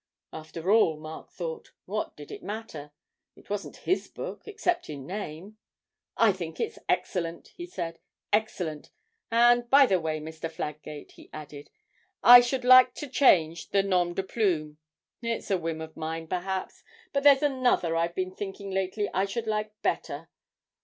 After all, Mark thought, what did it matter? it wasn't his book, except in name. 'I think it's excellent,' he said, 'excellent; and, by the way, Mr. Fladgate,' he added, 'I should like to change the nom de plume: it's a whim of mine, perhaps, but there's another I've been thinking lately I should like better.'